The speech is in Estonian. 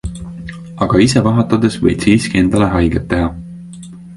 Aga ise vahatades võid siiski endale haiget teha.